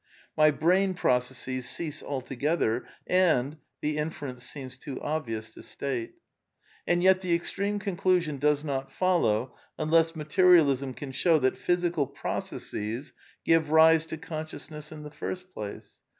My brain processes cease altogether, and — the inference seems too obvious to state. And yet the extreme conclusion does not follow unless \ materialism can show that physical processes give rise icr\ consciousness in the first place.